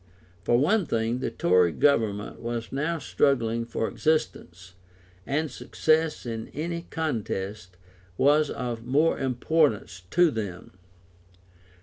For one thing, the Tory Government was now struggling for existence, and success in any contest was of more importance to them.